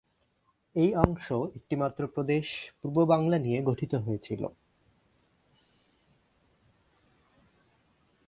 এই অংশ একটিমাত্র প্রদেশ পূর্ব বাংলা নিয়ে গঠিত হয়েছিল।